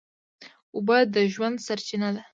اوبه د ژوند سرچینه ده.